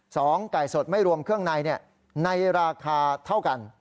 ไก่สดไม่รวมเครื่องในในราคาเท่ากัน